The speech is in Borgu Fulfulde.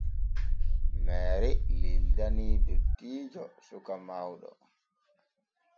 Meere lildani dottiijo suka mawɗo.